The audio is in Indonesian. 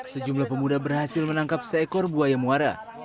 sejumlah pemuda berhasil menangkap seekor buaya muara